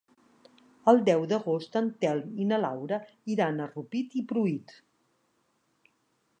El deu d'agost en Telm i na Laura iran a Rupit i Pruit.